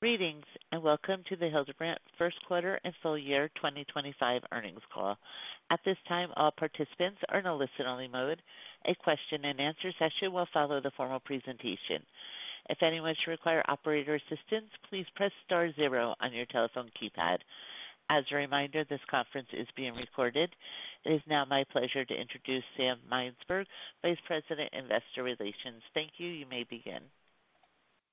Greetings and welcome to the Hillenbrand Q1 and Full Year 2025 earnings call. At this time, all participants are in a listen-only mode. A question-and-answer session will follow the formal presentation. If anyone should require operator assistance, please press star zero on your telephone keypad. As a reminder, this conference is being recorded. It is now my pleasure to introduce Sam Mynsberge, Vice President, Investor Relations. Thank you. You may begin.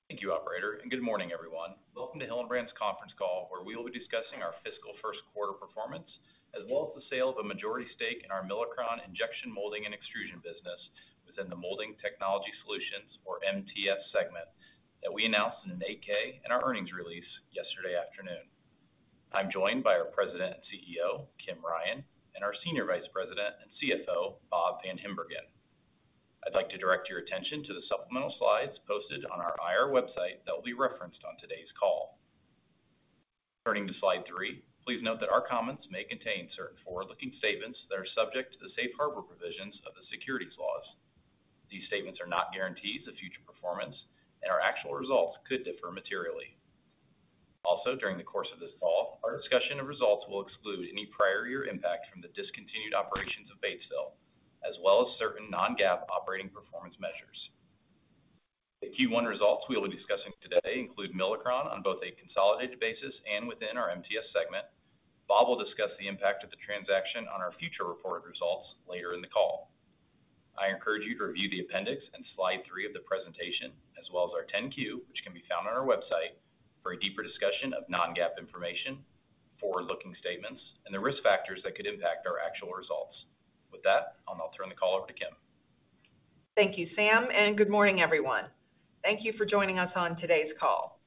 Thank you, Operator, and good morning, everyone. Welcome to Hillenbrand's conference call, where we will be discussing our fiscal Q1 performance, as well as the sale of a majority stake in our Milacron injection molding and extrusion business within the Molding Technology Solutions, or MTS, segment that we announced in an 8-K in our earnings release yesterday afternoon. I'm joined by our President and CEO, Kim Ryan, and our Senior Vice President and CFO, Bob VanHimbergen. I'd like to direct your attention to the supplemental slides posted on our IR website that will be referenced on today's call. Turning to slide three, please note that our comments may contain certain forward-looking statements that are subject to the safe harbor provisions of the securities laws. These statements are not guarantees of future performance, and our actual results could differ materially. Also, during the course of this call, our discussion of results will exclude any prior year impact from the discontinued operations of Batesville, as well as certain non-GAAP operating performance measures. The Q1 results we will be discussing today include Milacron on both a consolidated basis and within our MTS segment. Bob will discuss the impact of the transaction on our future reported results later in the call. I encourage you to review the appendix and slide three of the presentation, as well as our 10-Q, which can be found on our website, for a deeper discussion of non-GAAP information, forward-looking statements, and the risk factors that could impact our actual results. With that, I'll now turn the call over to Kim. Thank you, Sam, and good morning, everyone. Thank you for joining us on today's call.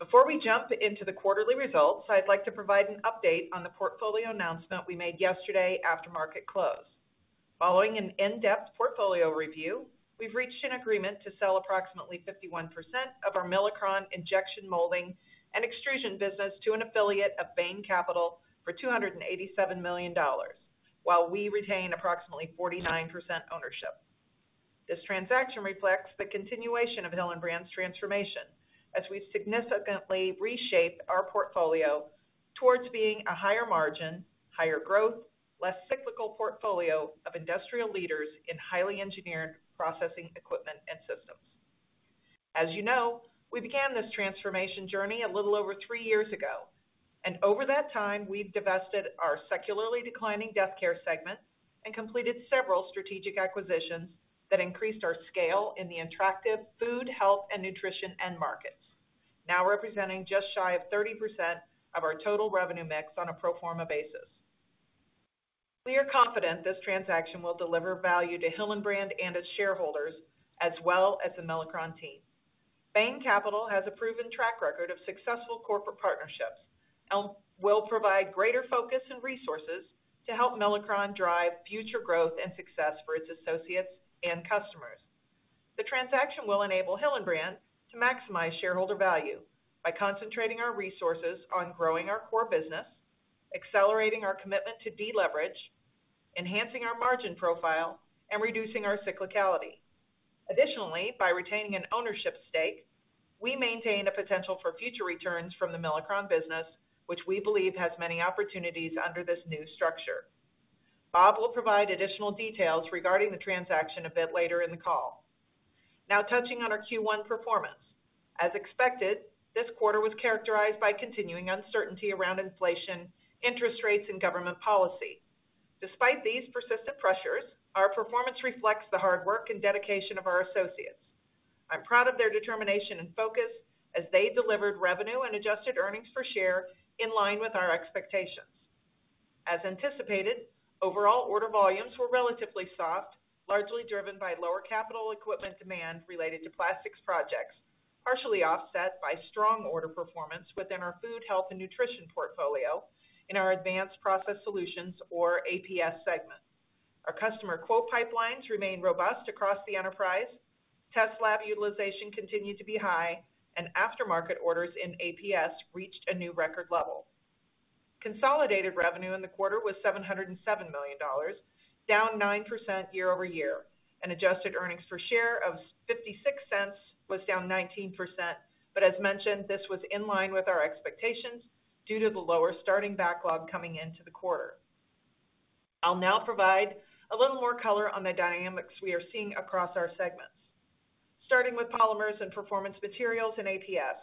Before we jump into the quarterly results, I'd like to provide an update on the portfolio announcement we made yesterday after market close. Following an in-depth portfolio review, we've reached an agreement to sell approximately 51% of our Milacron injection molding and extrusion business to an affiliate of Bain Capital for $287 million, while we retain approximately 49% ownership. This transaction reflects the continuation of Hillenbrand's transformation, as we significantly reshape our portfolio towards being a higher margin, higher growth, less cyclical portfolio of industrial leaders in highly engineered processing equipment and systems. As you know, we began this transformation journey a little over three years ago, and over that time, we've divested our secularly declining Death Care segment and completed several strategic acquisitions that increased our scale in the attractive Food, Health, and Nutrition end markets, now representing just shy of 30% of our total revenue mix on a pro forma basis. We are confident this transaction will deliver value to Hillenbrand and its shareholders, as well as the Milacron team. Bain Capital has a proven track record of successful corporate partnerships and will provide greater focus and resources to help Milacron drive future growth and success for its associates and customers. The transaction will enable Hillenbrand to maximize shareholder value by concentrating our resources on growing our core business, accelerating our commitment to deleverage, enhancing our margin profile, and reducing our cyclicality. Additionally, by retaining an ownership stake, we maintain a potential for future returns from the Milacron business, which we believe has many opportunities under this new structure. Bob will provide additional details regarding the transaction a bit later in the call. Now, touching on our Q1 performance, as expected, this quarter was characterized by continuing uncertainty around inflation, interest rates, and government policy. Despite these persistent pressures, our performance reflects the hard work and dedication of our associates. I'm proud of their determination and focus, as they delivered revenue and adjusted earnings per share in line with our expectations. As anticipated, overall order volumes were relatively soft, largely driven by lower capital equipment demand related to plastics projects, partially offset by strong order performance within our Food, Health, and Nutrition portfolio in our Advanced Process Solutions, or APS, segment. Our customer quote pipelines remain robust across the enterprise. Test lab utilization continued to be high, and aftermarket orders in APS reached a new record level. Consolidated revenue in the quarter was $707 million, down 9% year over year. An adjusted earnings per share of $0.56 was down 19%, but as mentioned, this was in line with our expectations due to the lower starting backlog coming into the quarter. I'll now provide a little more color on the dynamics we are seeing across our segments. Starting with Polymers and Performance Materials in APS,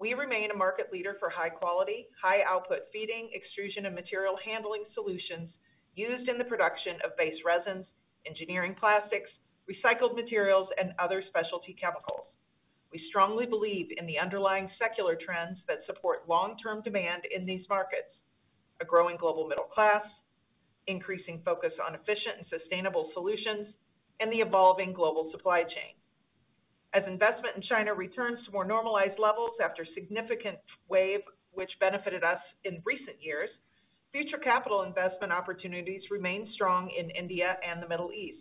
we remain a market leader for high-quality, high-output feeding, extrusion, and material handling solutions used in the production of base resins, engineering plastics, recycled materials, and other specialty chemicals. We strongly believe in the underlying secular trends that support long-term demand in these markets: a growing global middle class, increasing focus on efficient and sustainable solutions, and the evolving global supply chain. As investment in China returns to more normalized levels after a significant wave which benefited us in recent years, future capital investment opportunities remain strong in India and the Middle East.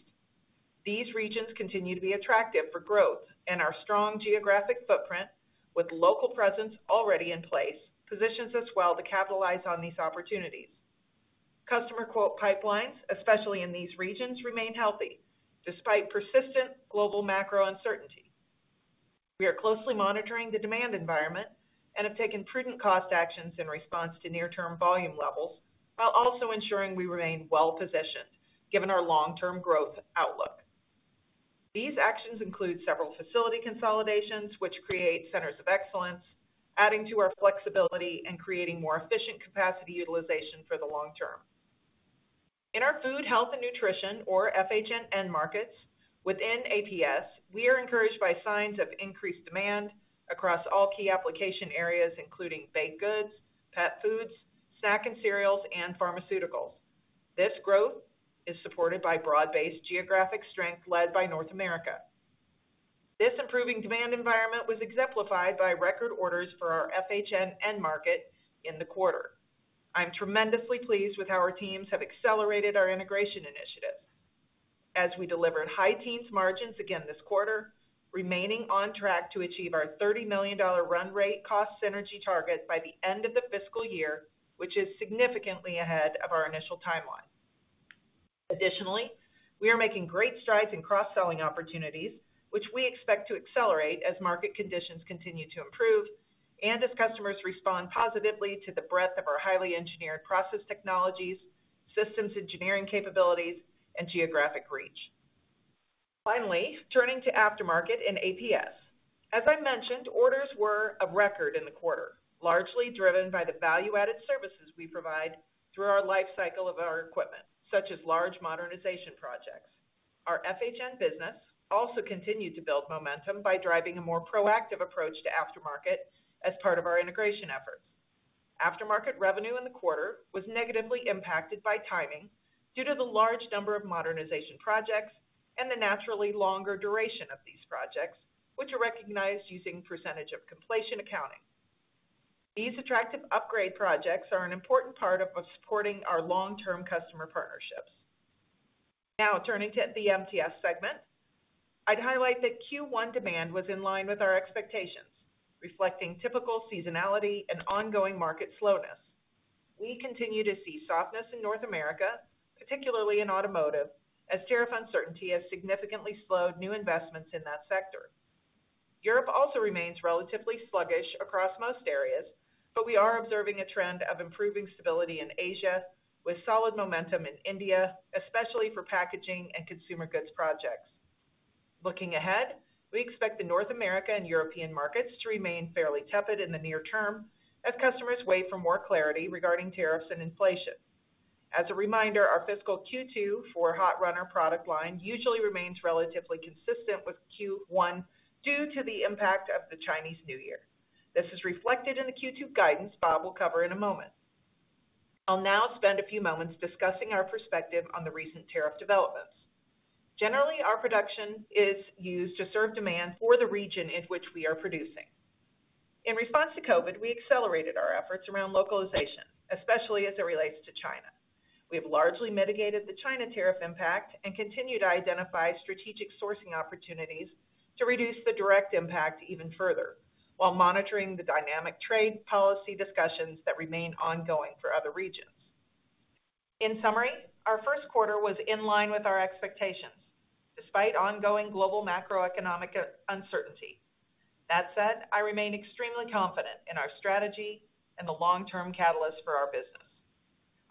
These regions continue to be attractive for growth, and our strong geographic footprint, with local presence already in place, positions us well to capitalize on these opportunities. Customer quote pipelines, especially in these regions, remain healthy despite persistent global macro uncertainty. We are closely monitoring the demand environment and have taken prudent cost actions in response to near-term volume levels, while also ensuring we remain well-positioned given our long-term growth outlook. These actions include several facility consolidations, which create centers of excellence, adding to our flexibility and creating more efficient capacity utilization for the long term. In our Food, Health, and Nutrition, or FHNN, markets within APS, we are encouraged by signs of increased demand across all key application areas, including baked goods, pet foods, snacks and cereals, and pharmaceuticals. This growth is supported by broad-based geographic strength led by North America. This improving demand environment was exemplified by record orders for our FHNN market in the quarter. I'm tremendously pleased with how our teams have accelerated our integration initiatives as we delivered high teens margins again this quarter, remaining on track to achieve our $30 million run rate cost synergy target by the end of the fiscal year, which is significantly ahead of our initial timeline. Additionally, we are making great strides in cross-selling opportunities, which we expect to accelerate as market conditions continue to improve and as customers respond positively to the breadth of our highly engineered process technologies, systems engineering capabilities, and geographic reach. Finally, turning to aftermarket in APS, as I mentioned, orders were of record in the quarter, largely driven by the value-added services we provide through our life cycle of our equipment, such as large modernization projects. Our FHN business also continued to build momentum by driving a more proactive approach to aftermarket as part of our integration efforts. Aftermarket revenue in the quarter was negatively impacted by timing due to the large number of modernization projects and the naturally longer duration of these projects, which are recognized using Percentage of completion Accounting. These attractive upgrade projects are an important part of supporting our long-term customer partnerships. Now, turning to the MTS segment, I'd highlight that Q1 demand was in line with our expectations, reflecting typical seasonality and ongoing market slowness. We continue to see softness in North America, particularly in automotive, as tariff uncertainty has significantly slowed new investments in that sector. Europe also remains relatively sluggish across most areas, but we are observing a trend of improving stability in Asia, with solid momentum in India, especially for packaging and consumer goods projects. Looking ahead, we expect the North American and European markets to remain fairly tepid in the near term as customers wait for more clarity regarding tariffs and inflation. As a reminder, our fiscal Q2 for Hot Runner product line usually remains relatively consistent with Q1 due to the impact of the Chinese New Year. This is reflected in the Q2 guidance Bob will cover in a moment. I'll now spend a few moments discussing our perspective on the recent tariff developments. Generally, our production is used to serve demand for the region in which we are producing. In response to COVID, we accelerated our efforts around localization, especially as it relates to China. We have largely mitigated the China tariff impact and continue to identify strategic sourcing opportunities to reduce the direct impact even further, while monitoring the dynamic trade policy discussions that remain ongoing for other regions. In summary, our Q1 was in line with our expectations, despite ongoing global macroeconomic uncertainty. That said, I remain extremely confident in our strategy and the long-term catalyst for our business.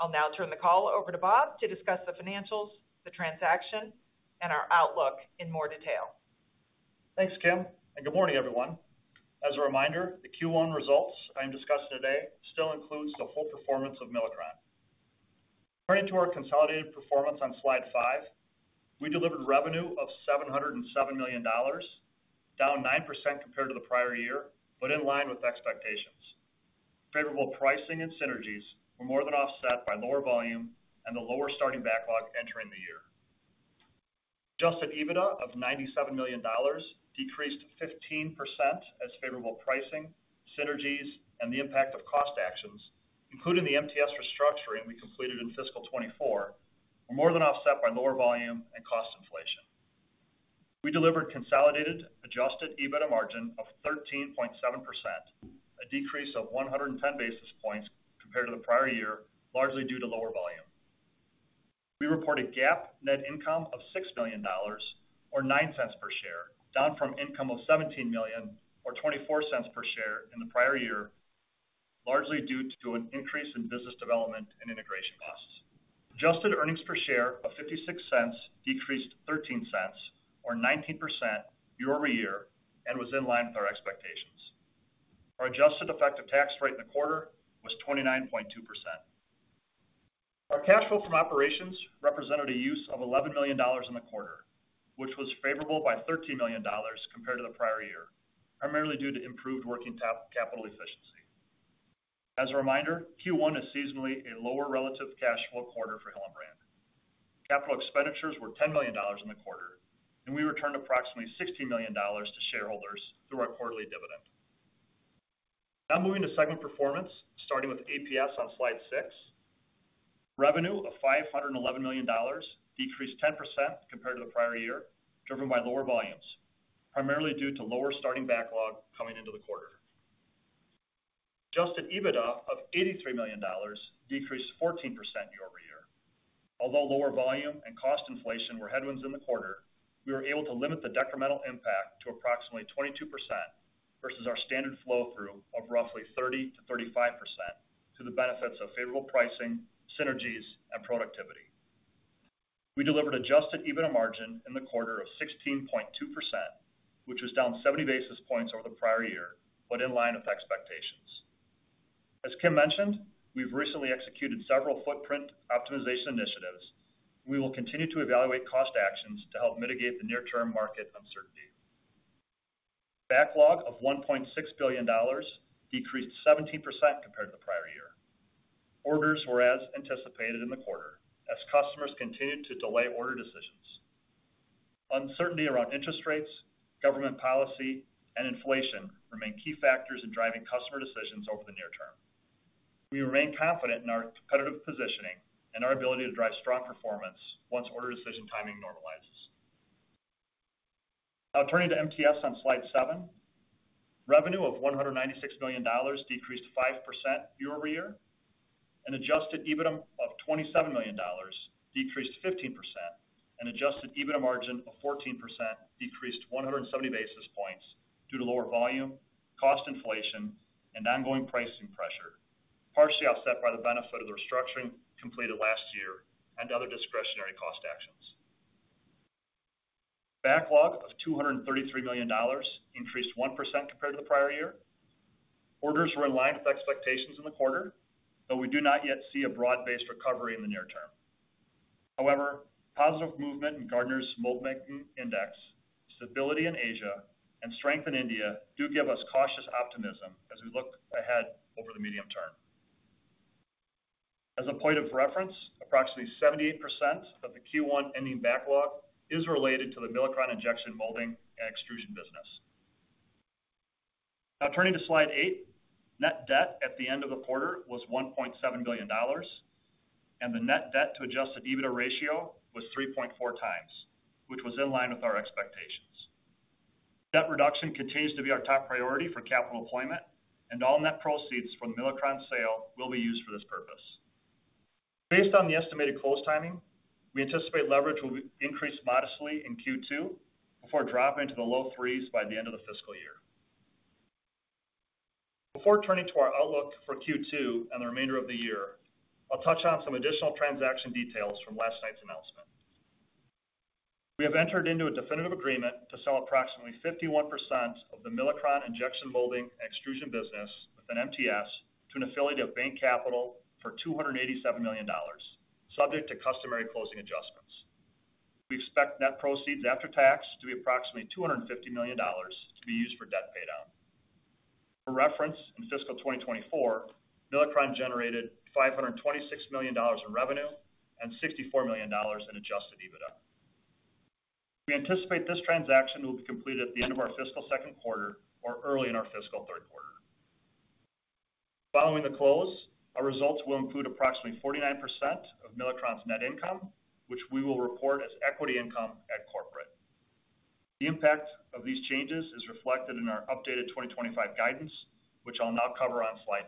I'll now turn the call over to Bob to discuss the financials, the transaction, and our outlook in more detail. Thanks, Kim. And good morning, everyone. As a reminder, the Q1 results I'm discussing today still include the full performance of Milacron. Turning to our consolidated performance on slide five, we delivered revenue of $707 million, down 9% compared to the prior year, but in line with expectations. Favorable pricing and synergies were more than offset by lower volume and the lower starting backlog entering the year. Adjusted EBITDA of $97 million decreased 15% as favorable pricing, synergies, and the impact of cost actions, including the MTS restructuring we completed in fiscal 2024, were more than offset by lower volume and cost inflation. We delivered consolidated adjusted EBITDA margin of 13.7%, a decrease of 110 basis points compared to the prior year, largely due to lower volume. We report a GAAP net income of $6 million, or $0.09 per share, down from income of $17 million, or $0.24 per share in the prior year, largely due to an increase in business development and integration costs. Adjusted earnings per share of $0.56 decreased $0.13, or 19% year-over-year, and was in line with our expectations. Our adjusted effective tax rate in the quarter was 29.2%. Our cash flow from operations represented a use of $11 million in the quarter, which was favorable by $13 million compared to the prior year, primarily due to improved working capital efficiency. As a reminder, Q1 is seasonally a lower relative cash flow quarter for Hillenbrand. Capital expenditures were $10 million in the quarter, and we returned approximately $16 million to shareholders through our quarterly dividend. Now moving to segment performance, starting with APS on slide six. Revenue of $511 million decreased 10% compared to the prior year, driven by lower volumes, primarily due to lower starting backlog coming into the quarter. Adjusted EBITDA of $83 million decreased 14% year over year. Although lower volume and cost inflation were headwinds in the quarter, we were able to limit the decremental impact to approximately 22% versus our standard flow through of roughly 30% to 35% to the benefits of favorable pricing, synergies, and productivity. We delivered adjusted EBITDA margin in the quarter of 16.2%, which was down 70 basis points over the prior year, but in line with expectations. As Kim mentioned, we've recently executed several footprint optimization initiatives. We will continue to evaluate cost actions to help mitigate the near-term market uncertainty. Backlog of $1.6 billion decreased 17% compared to the prior year. Orders were as anticipated in the quarter, as customers continued to delay order decisions. Uncertainty around interest rates, government policy, and inflation remain key factors in driving customer decisions over the near term. We remain confident in our competitive positioning and our ability to drive strong performance once order decision timing normalizes. Now turning to MTS on slide seven, revenue of $196 million decreased 5% year over year. An adjusted EBITDA of $27 million decreased 15%. An adjusted EBITDA margin of 14% decreased 170 basis points due to lower volume, cost inflation, and ongoing pricing pressure, partially offset by the benefit of the restructuring completed last year and other discretionary cost actions. Backlog of $233 million increased 1% compared to the prior year. Orders were in line with expectations in the quarter, though we do not yet see a broad-based recovery in the near term. However, positive movement in Gardner's Moldmaking Index, stability in Asia, and strength in India do give us cautious optimism as we look ahead over the medium term. As a point of reference, approximately 78% of the Q1 ending backlog is related to the Milacron injection molding and extrusion business. Now turning to slide eight, net debt at the end of the quarter was $1.7 billion, and the net debt to Adjusted EBITDA ratio was 3.4 times, which was in line with our expectations. Debt reduction continues to be our top priority for capital deployment, and all net proceeds from the Milacron sale will be used for this purpose. Based on the estimated close timing, we anticipate leverage will increase modestly in Q2 before dropping to the low threes by the end of the fiscal year. Before turning to our outlook for Q2 and the remainder of the year, I'll touch on some additional transaction details from last night's announcement. We have entered into a definitive agreement to sell approximately 51% of the Milacron injection molding and extrusion business within MTS to an affiliate of Bain Capital for $287 million, subject to customary closing adjustments. We expect net proceeds after tax to be approximately $250 million to be used for debt paydown. For reference, in fiscal 2024, Milacron generated $526 million in revenue and $64 million in adjusted EBITDA. We anticipate this transaction will be completed at the end of our fiscal Q2 or early in our fiscal Q3. Following the close, our results will include approximately 49% of Milacron's net income, which we will report as equity income at corporate. The impact of these changes is reflected in our updated 2025 guidance, which I'll now cover on slide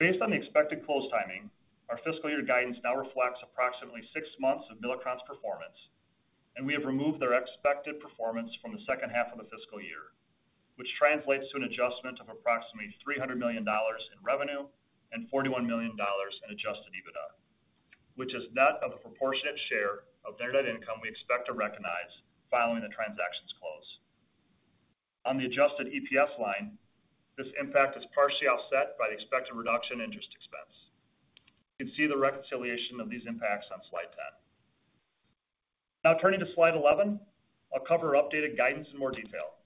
10. Based on the expected close timing, our fiscal year guidance now reflects approximately six months of Milacron's performance, and we have removed their expected performance from the second half of the fiscal year, which translates to an adjustment of approximately $300 million in revenue and $41 million in Adjusted EBITDA, which is net of a proportionate share of their net income we expect to recognize following the transaction's close. On the Adjusted EPS line, this impact is partially offset by the expected reduction in interest expense. You can see the reconciliation of these impacts on slide 10. Now turning to slide 11, I'll cover updated guidance in more detail.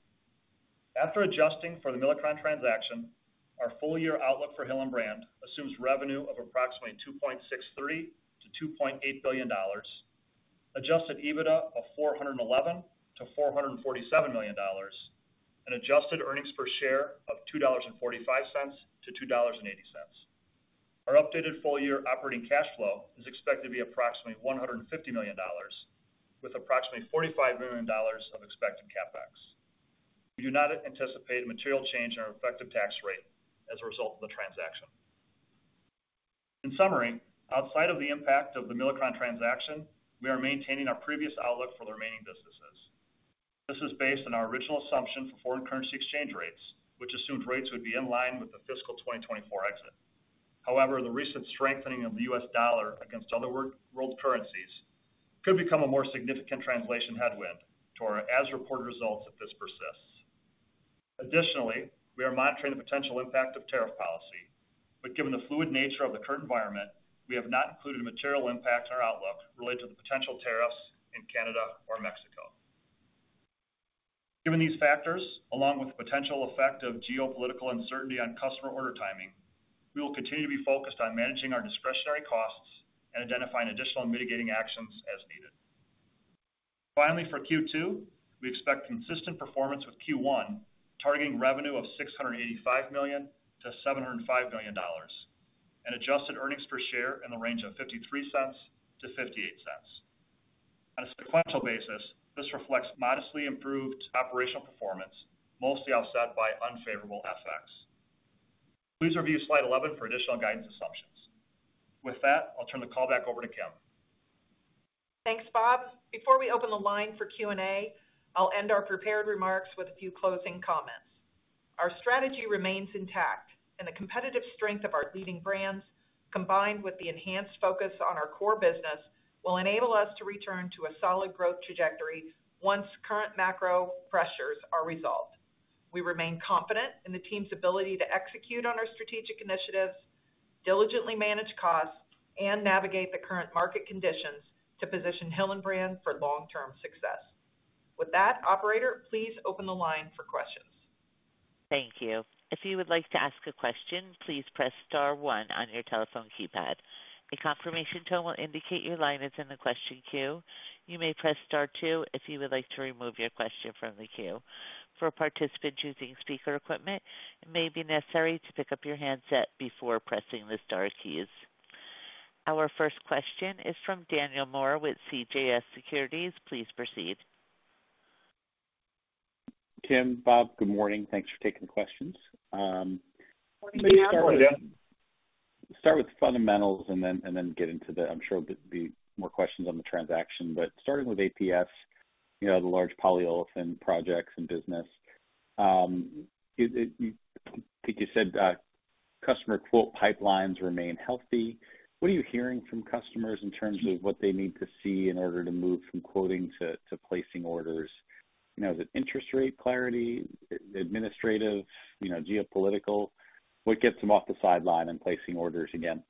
After adjusting for the Milacron transaction, our full year outlook for Hillenbrand assumes revenue of approximately $2.63 billion to 2.8 billion, adjusted EBITDA of $411 million to 447 million, and adjusted earnings per share of $2.45 to 2.80. Our updated full year operating cash flow is expected to be approximately $150 million, with approximately $45 million of expected CapEx. We do not anticipate a material change in our effective tax rate as a result of the transaction. In summary, outside of the impact of the Milacron transaction, we are maintaining our previous outlook for the remaining businesses. This is based on our original assumption for foreign currency exchange rates, which assumed rates would be in line with the fiscal 2024 exit. However, the recent strengthening of the U.S. dollar against other world currencies could become a more significant translation headwind to our as-reported results if this persists. Additionally, we are monitoring the potential impact of tariff policy, but given the fluid nature of the current environment, we have not included a material impact on our outlook related to the potential tariffs in Canada or Mexico. Given these factors, along with the potential effect of geopolitical uncertainty on customer order timing, we will continue to be focused on managing our discretionary costs and identifying additional mitigating actions as needed. Finally, for Q2, we expect consistent performance with Q1, targeting revenue of $685 million to 705 million, and Adjusted Earnings Per Share in the range of $0.53 to 0.58. On a sequential basis, this reflects modestly improved operational performance, mostly offset by unfavorable FX. Please review slide 11 for additional guidance assumptions. With that, I'll turn the call back over to Kim. Thanks, Bob. Before we open the line for Q&A, I'll end our prepared remarks with a few closing comments. Our strategy remains intact, and the competitive strength of our leading brands, combined with the enhanced focus on our core business, will enable us to return to a solid growth trajectory once current macro pressures are resolved. We remain confident in the team's ability to execute on our strategic initiatives, diligently manage costs, and navigate the current market conditions to position Hillenbrand for long-term success. With that, Operator, please open the line for questions. Thank you. If you would like to ask a question, please press star one on your telephone keypad. A confirmation tone will indicate your line is in the question queue. You may press star two if you would like to remove your question from the queue. For participants using speaker equipment, it may be necessary to pick up your handset before pressing the star keys. Our first question is from Daniel Moore with CJS Securities. Please proceed. Kim, Bob, good morning. Thanks for taking the questions. Good morning, everybody. Start with fundamentals and then get into the, I'm sure there'll be more questions on the transaction, but starting with APS, you know, the large polyolefin projects and business. You said customer quote pipelines remain healthy. What are you hearing from customers in terms of what they need to see in order to move from quoting to placing orders? You know, is it interest rate clarity, administration, you know, geopolitical? What gets them off the sidelines and placing orders again?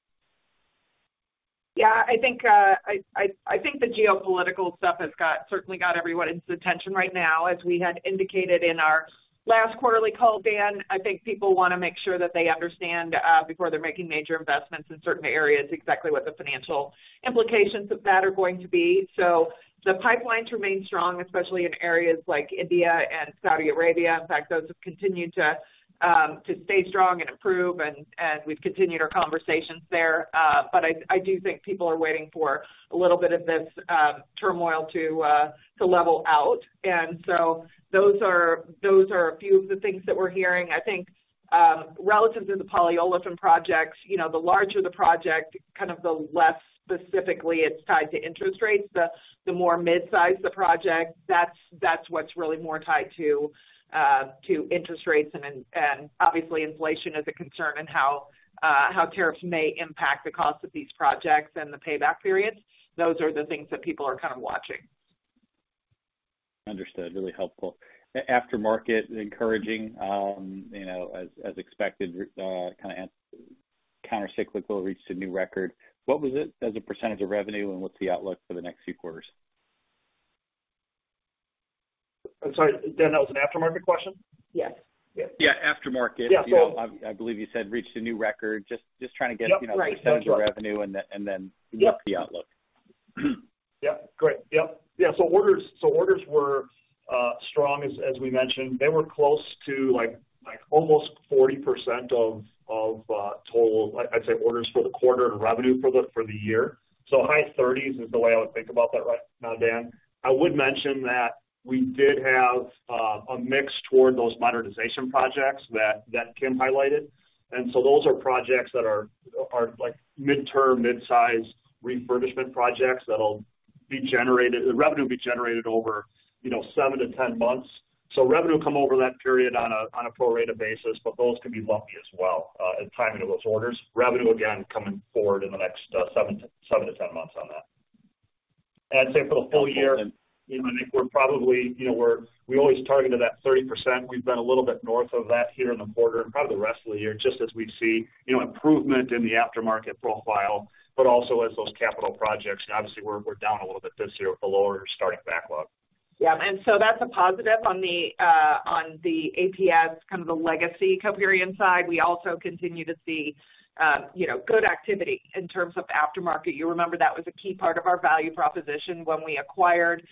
Yeah, I think the geopolitical stuff has certainly got everyone's attention right now. As we had indicated in our last quarterly call, Dan, I think people want to make sure that they understand before they're making major investments in certain areas exactly what the financial implications of that are going to be. So the pipelines remain strong, especially in areas like India and Saudi Arabia. In fact, those have continued to stay strong and improve, and we've continued our conversations there, but I do think people are waiting for a little bit of this turmoil to level out, and so those are a few of the things that we're hearing. I think relative to the polyolefin projects, you know, the larger the project, kind of the less specifically it's tied to interest rates, the more mid-sized the project, that's what's really more tied to interest rates. Obviously, inflation is a concern in how tariffs may impact the cost of these projects and the payback periods. Those are the things that people are kind of watching. Understood. Really helpful. Aftermarket encouraging, you know, as expected, kind of countercyclical, reached a new record. What was it as a percentage of revenue, and what's the outlook for the next few quarters? I'm sorry, Dan, that was an aftermarket question? Yes. Yeah, aftermarket. I believe you said reached a new record. Just trying to get a percentage of revenue and then the outlook. Yep. Yep. Great. Yep. Yeah. So orders were strong, as we mentioned. They were close to almost 40% of total, I'd say, orders for the quarter and revenue for the year. So high 30s is the way I would think about that right now, Dan. I would mention that we did have a mix toward those modernization projects that Kim highlighted. And so those are projects that are mid-term, mid-size refurbishment projects that'll be generated, revenue be generated over, you know, 7 to 10 months. So revenue come over that period on a prorated basis, but those can be bumpy as well in timing of those orders. Revenue, again, coming forward in the next 7-10 months on that. I'd say for the full year, you know, I think we're probably, you know, we always targeted that 30%. We've been a little bit north of that here in the quarter and probably the rest of the year, just as we see, you know, improvement in the aftermarket profile, but also as those capital projects, obviously, we're down a little bit this year with the lower starting backlog. Yeah. And so that's a positive on the APS, kind of the legacy Coperion side. We also continue to see, you know, good activity in terms of aftermarket. You remember that was a key part of our value proposition when we acquired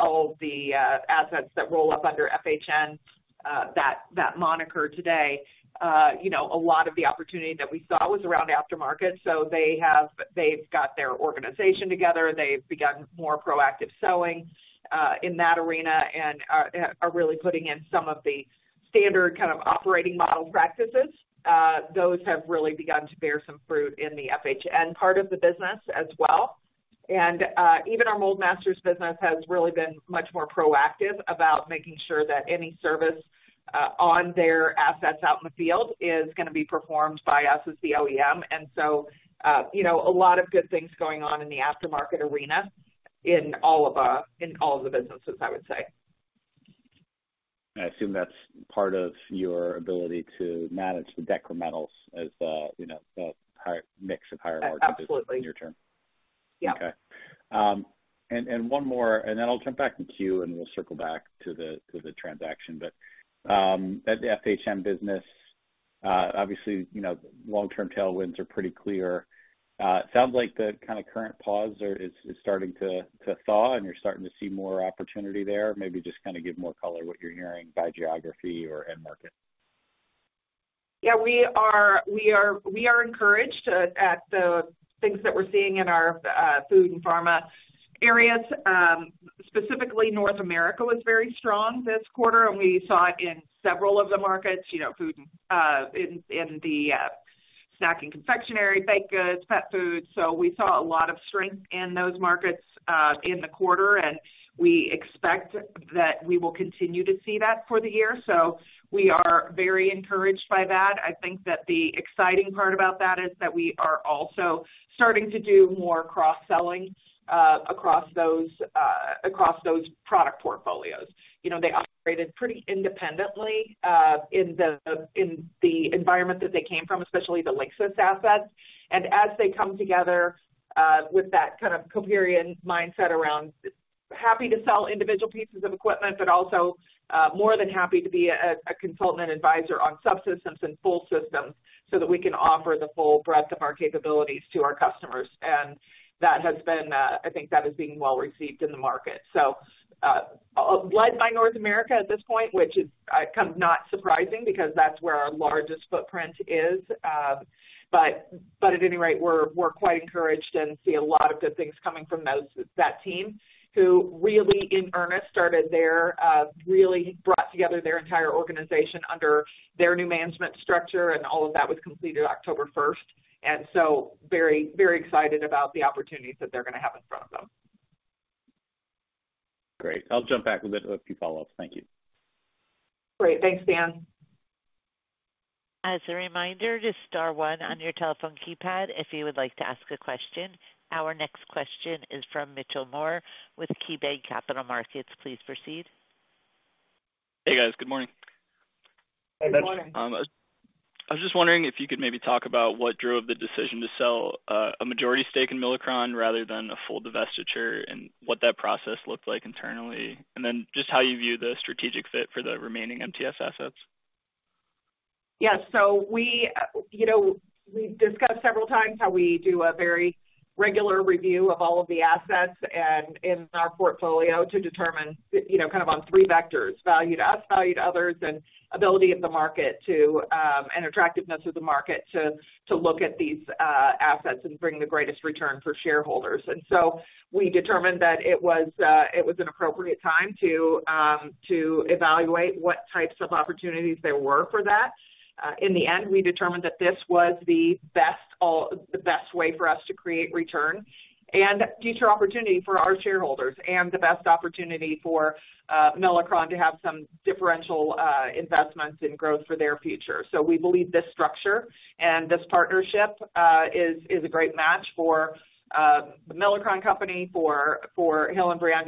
all the assets that roll up under FHN that moniker today. You know, a lot of the opportunity that we saw was around aftermarket. So they've got their organization together. They've begun more proactive selling in that arena and are really putting in some of the standard kind of operating model practices. Those have really begun to bear some fruit in the FHN part of the business as well. And even our Mold-Masters business has really been much more proactive about making sure that any service on their assets out in the field is going to be performed by us as the OEM. And so, you know, a lot of good things going on in the aftermarket arena in all of the businesses, I would say. I assume that's part of your ability to manage the decrementals as the, you know, the mix of higher markets in the near term. Absolutely. Yeah. Okay. And one more, and then I'll jump back in queue and we'll circle back to the transaction. But at the FHN business, obviously, you know, long-term tailwinds are pretty clear. It sounds like the kind of current pause is starting to thaw and you're starting to see more opportunity there. Maybe just kind of give more color what you're hearing by geography or end market. Yeah, we are encouraged at the things that we're seeing in our food and pharma areas. Specifically, North America was very strong this quarter, and we saw it in several of the markets, you know, food in the snack and confectionery, baked goods, pet food. So we saw a lot of strength in those markets in the quarter, and we expect that we will continue to see that for the year. So we are very encouraged by that. I think that the exciting part about that is that we are also starting to do more cross-selling across those product portfolios. You know, they operated pretty independently in the environment that they came from, especially the Linxis assets. As they come together with that kind of Coperion mindset around happy to sell individual pieces of equipment, but also more than happy to be a consultant advisor on subsystems and full systems so that we can offer the full breadth of our capabilities to our customers. That has been, I think that is being well received in the market. Led by North America at this point, which is kind of not surprising because that's where our largest footprint is. At any rate, we're quite encouraged and see a lot of good things coming from that team who really, in earnest, started. They really brought together their entire organization under their new management structure, and all of that was completed October 1st. So very, very excited about the opportunities that they're going to have in front of them. Great. I'll jump back with a few follow-ups. Thank you. Great. Thanks, Dan. As a reminder, just star one on your telephone keypad if you would like to ask a question. Our next question is from Mitchell Moore with KeyBanc Capital Markets. Please proceed. Hey, guys. Good morning. Hey, Mitch. Good morning. I was just wondering if you could maybe talk about what drove the decision to sell a majority stake in Milacron rather than a full divestiture and what that process looked like internally, and then just how you view the strategic fit for the remaining MTS assets? Yeah, so we, you know, we've discussed several times how we do a very regular review of all of the assets and in our portfolio to determine, you know, kind of on three vectors: value to us, value to others, and ability of the market to, and attractiveness of the market to look at these assets and bring the greatest return for shareholders, and so we determined that it was an appropriate time to evaluate what types of opportunities there were for that. In the end, we determined that this was the best way for us to create return and future opportunity for our shareholders and the best opportunity for Milacron to have some differential investments and growth for their future, so we believe this structure and this partnership is a great match for the Milacron company, for Hillenbrand,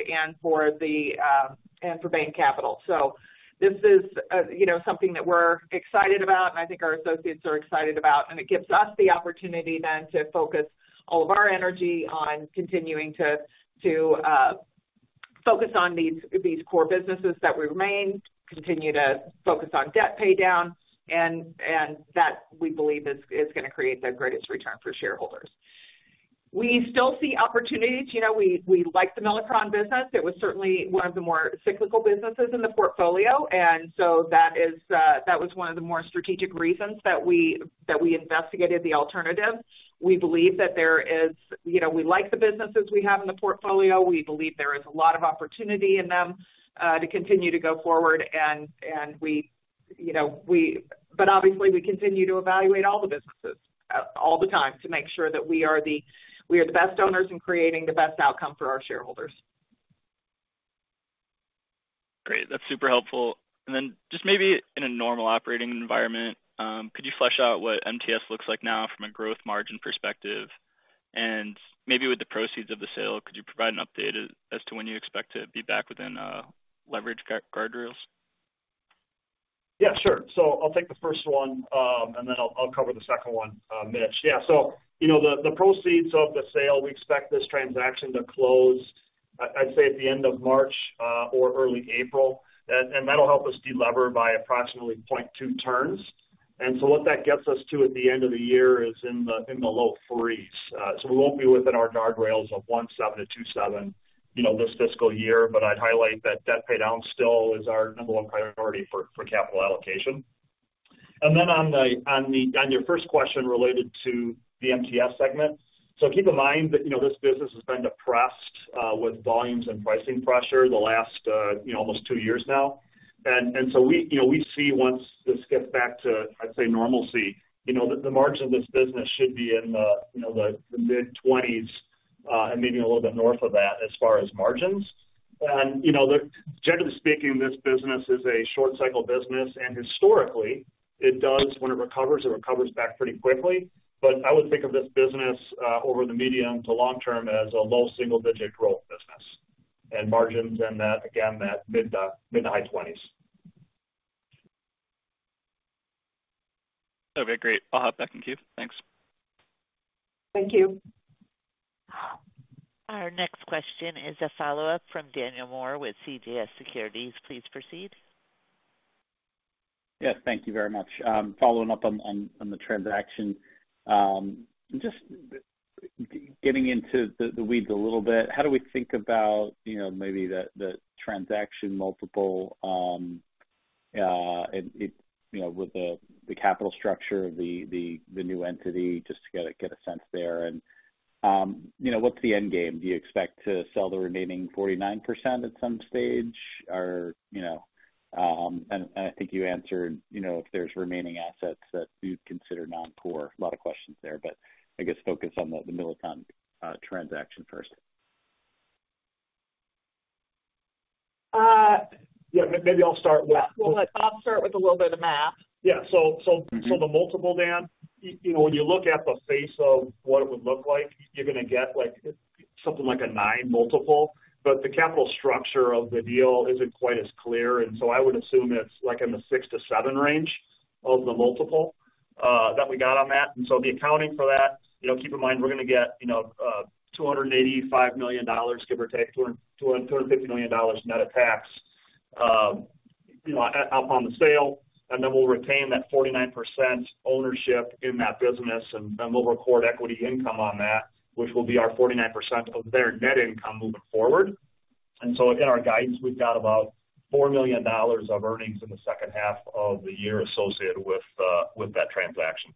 and for Bain Capital. So this is, you know, something that we're excited about, and I think our associates are excited about. And it gives us the opportunity then to focus all of our energy on continuing to focus on these core businesses that we remain, continue to focus on debt pay down, and that we believe is going to create the greatest return for shareholders. We still see opportunities. You know, we like the Milacron business. It was certainly one of the more cyclical businesses in the portfolio. And so that was one of the more strategic reasons that we investigated the alternative. We believe that there is, you know, we like the businesses we have in the portfolio. We believe there is a lot of opportunity in them to continue to go forward. We, you know, but obviously we continue to evaluate all the businesses all the time to make sure that we are the best owners in creating the best outcome for our shareholders. Great. That's super helpful. And then just maybe in a normal operating environment, could you flesh out what MTS looks like now from a growth margin perspective? And maybe with the proceeds of the sale, could you provide an update as to when you expect to be back within leverage guardrails? Yeah, sure. So I'll take the first one, and then I'll cover the second one, Mitch. Yeah. So, you know, the proceeds of the sale, we expect this transaction to close, I'd say, at the end of March or early April, and that'll help us de-lever by approximately 0.2 turns. And so what that gets us to at the end of the year is in the low threes. So we won't be within our guardrails of 1.7 to 2.7, you know, this fiscal year, but I'd highlight that debt pay down still is our number one priority for capital allocation. And then on your first question related to the MTS segment, so keep in mind that, you know, this business has been depressed with volumes and pricing pressure the last, you know, almost two years now. We, you know, see once this gets back to, I'd say, normalcy, you know, the margin of this business should be in the, you know, the mid-20s and maybe a little bit north of that as far as margins. You know, generally speaking, this business is a short-cycle business, and historically, it does, when it recovers, it recovers back pretty quickly. I would think of this business over the medium to long term as a low single-digit growth business and margins in that, again, that mid to high-20s. Okay. Great. I'll hop back in queue. Thanks. Thank you. Our next question is a follow-up from Daniel Moore with CJS Securities. Please proceed. Yes. Thank you very much. Following up on the transaction, just getting into the weeds a little bit, how do we think about, you know, maybe the transaction multiple and, you know, with the capital structure of the new entity, just to get a sense there? And, you know, what's the end game? Do you expect to sell the remaining 49% at some stage? Or, you know, and I think you answered, you know, if there's remaining assets that you'd consider non-core. A lot of questions there, but I guess focus on the Milacron transaction first. Yeah. Maybe I'll start with. I'll start with a little bit of math. Yeah. So the multiple, Dan, you know, when you look at the face of what it would look like, you're going to get like something like a nine multiple, but the capital structure of the deal isn't quite as clear. And so I would assume it's like in the six to seven range of the multiple that we got on that. And so the accounting for that, you know, keep in mind, we're going to get, you know, $285 million, give or take, $250 million net of tax, you know, up on the sale. And then we'll retain that 49% ownership in that business, and we'll record equity income on that, which will be our 49% of their net income moving forward. And so in our guidance, we've got about $4 million of earnings in the second half of the year associated with that transaction.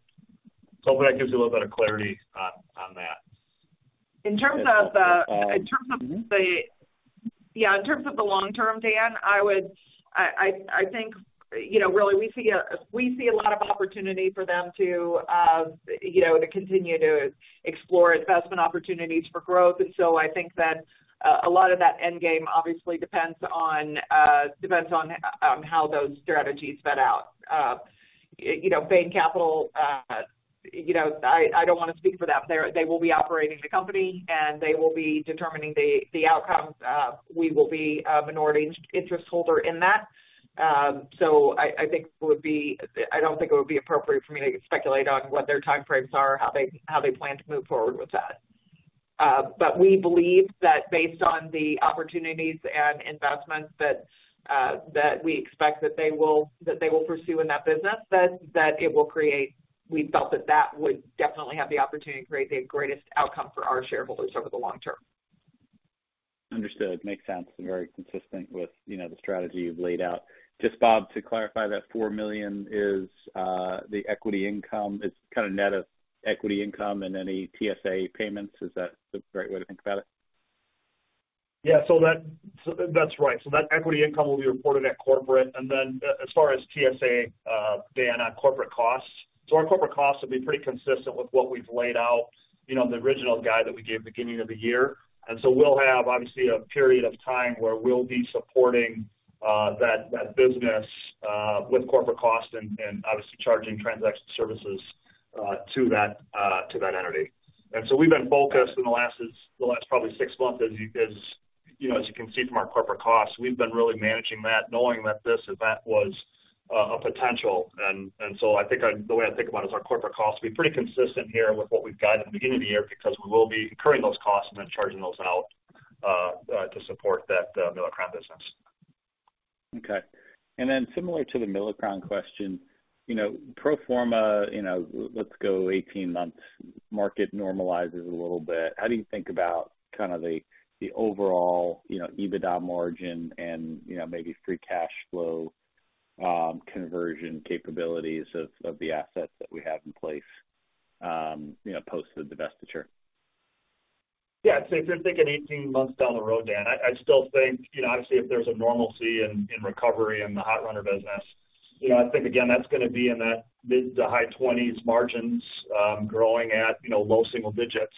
So hopefully that gives you a little bit of clarity on that. In terms of the..... Yeah. In terms of the long term, Dan, I would, I think, you know, really we see a lot of opportunity for them to, you know, to continue to explore investment opportunities for growth. And so I think that a lot of that end game obviously depends on how those strategies play out. You know, Bain Capital, you know, I don't want to speak for them, but they will be operating the company, and they will be determining the outcome. We will be a minority interest holder in that. So I think it would be, I don't think it would be appropriate for me to speculate on what their timeframes are, how they plan to move forward with that. But we believe that based on the opportunities and investments that we expect that they will pursue in that business, that it will create. We felt that that would definitely have the opportunity to create the greatest outcome for our shareholders over the long term. Understood. Makes sense. Very consistent with, you know, the strategy you've laid out. Just, Bob, to clarify that four million is the equity income, it's kind of net of equity income and any TSA payments. Is that the right way to think about it? Yeah. So that's right. So that equity income will be reported at corporate. And then as far as TSA, Dan, on corporate costs, so our corporate costs will be pretty consistent with what we've laid out, you know, the original guide that we gave at the beginning of the year. And so we'll have obviously a period of time where we'll be supporting that business with corporate costs and obviously charging transaction services to that entity. And so we've been focused in the last probably six months, as you know, as you can see from our corporate costs, we've been really managing that, knowing that this event was a potential. I think the way I think about it is our corporate costs will be pretty consistent here with what we've got at the beginning of the year because we will be incurring those costs and then charging those out to support that Milacron business. Okay, and then similar to the Milacron question, you know, pro forma, you know, let's go 18 months, market normalizes a little bit. How do you think about kind of the overall, you know, EBITDA margin and, you know, maybe free cash flow conversion capabilities of the assets that we have in place, you know, post the divestiture? Yeah. So if you're thinking 18 months down the road, Dan, I still think, you know, obviously if there's a normalcy in recovery in the hot runner business, you know, I think, again, that's going to be in that mid to high-20s margins growing at, you know, low single digits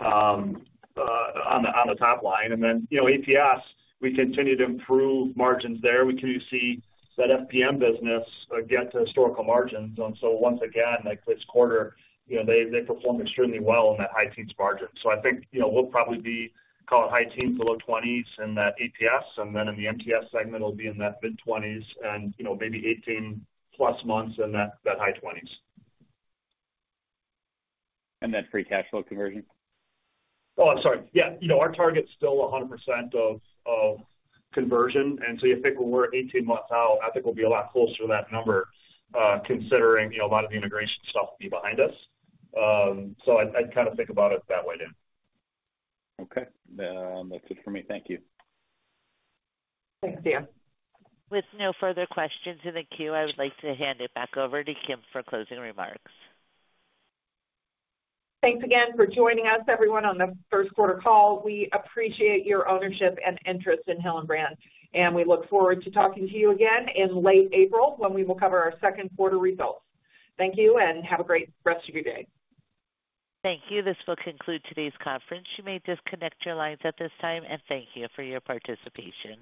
on the top line. And then, you know, APS, we continue to improve margins there. We continue to see that FPM business get to historical margins. And so once again, like this quarter, you know, they performed extremely well in that high-teens margin. So I think, you know, we'll probably be call it high-teens to low-20s in that APS. And then in the MTS segment, it'll be in that mid-20s and, you know, maybe 18-plus months in that high-20s. And then free cash flow conversion? Oh, I'm sorry. Yeah. You know, our target's still 100% of conversion. And so you think when we're 18 months out, I think we'll be a lot closer to that number considering, you know, a lot of the integration stuff will be behind us. So I'd kind of think about it that way, Dan. Okay. That's it for me. Thank you. Thank you. With no further questions in the queue, I would like to hand it back over to Kim for closing remarks. Thanks again for joining us, everyone, on the Q1 call. We appreciate your ownership and interest in Hillenbrand, and we look forward to talking to you again in late April when we will cover our Q2 results. Thank you and have a great rest of your day. Thank you. This will conclude today's conference. You may disconnect your lines at this time, and thank you for your participation.